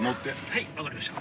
・はい分かりました。